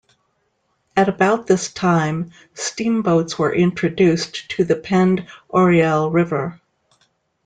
At about this time, steamboats were introduced to the Pend Oreille River.